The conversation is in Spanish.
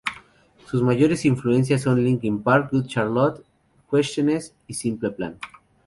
Sus mayores influencias son Linkin Park, Good Charlotte, Cuestiones y Simple Plan.